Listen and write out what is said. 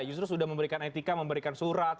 justru sudah memberikan etika memberikan surat